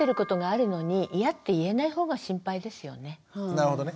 なるほどね。